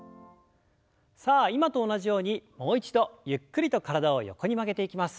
さあ今と同じようにもう一度ゆっくりと体を横に曲げていきます。